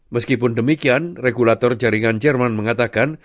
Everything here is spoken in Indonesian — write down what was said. meskipun demikian regulator jaringan jerman mengatakan